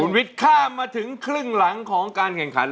วิทย์ข้ามมาถึงครึ่งหลังของการแข่งขัน